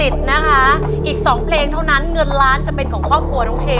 ยังไม่มีให้รักยังไม่มี